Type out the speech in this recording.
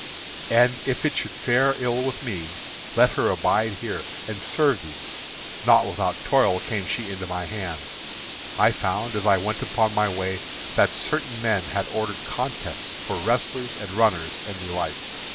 And if it should fare ill with me, let her abide here and serve thee. Not without toil came she into my hands. I found as I went upon my way that certain men had ordered contests for wrestlers and runners, and the like.